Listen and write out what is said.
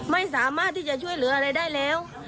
ไม่สามารถที่จะช่วยเหลืออะไรได้แล้ว